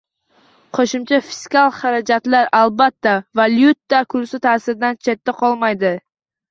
Qo`shimcha fiskal xarajatlar, albatta, valyuta kursi ta'siridan chetda qolmaydi